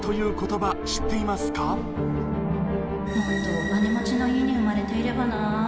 もっとお金持ちの家に生まれていればな。